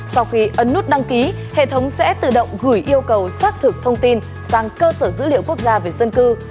sau khi ấn nút đăng ký hệ thống sẽ tự động gửi yêu cầu xác thực thông tin sang cơ sở dữ liệu quốc gia về dân cư